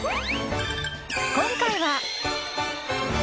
今回は。